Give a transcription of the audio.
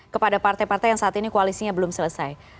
kepada partai partai yang saat ini koalisinya belum selesai